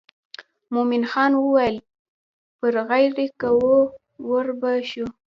مومن خان وویل پر غیر کوو ور به شو.